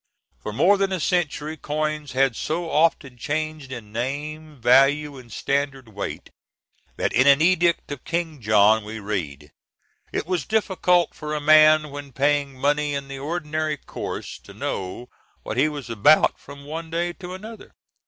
For more than a century coins had so often changed in name, value, and standard weight, that in an edict of King John we read, "It was difficult for a man when paying money in the ordinary course to know what he was about from one day to another."